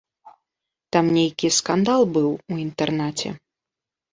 Там нейкі скандал быў у інтэрнаце.